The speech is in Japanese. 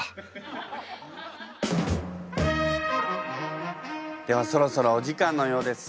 あっではそろそろお時間のようです。